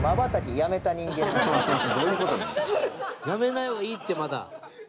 やめない方がいいってまだ。